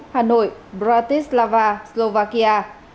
bốn hà nội bratislava slovakia